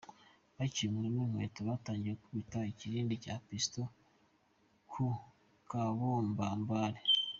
Bakinkuramo inkweto, batangiye gukubita ikirindi cya pistol ku kabombambari.